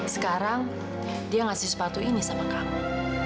sekarang dia ngasih sepatu ini sama kamu